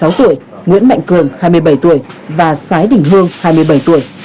hà nội hai mươi sáu tuổi nguyễn mạnh cường hai mươi bảy tuổi và sái đỉnh hương hai mươi bảy tuổi